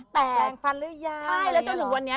แปลงฟันเลือกยาใช่แล้วจนถึงวันนี้